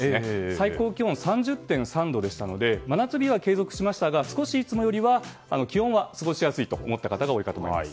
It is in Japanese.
最高気温３０．３度でしたので真夏日は継続しましたが少しいつもよりは気温は過ごしやすいと思った方が多いと思います。